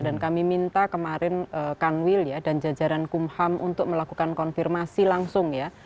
dan kami minta kemarin kanwil dan jajaran kumham untuk melakukan konfirmasi langsung ya